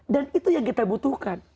dan itu yang kita butuhkan